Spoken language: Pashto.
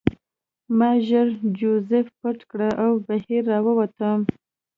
ما ژر جوزف پټ کړ او بهر راووتم